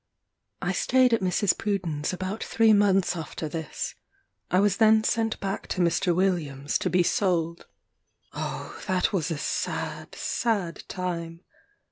I staid at Mrs. Pruden's about three months after this; I was then sent back to Mr. Williams to be sold. Oh, that was a sad sad time!